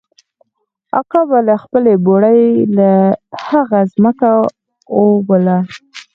اکا به له خپلې بوړۍ د هغه ځمکه اوبوله.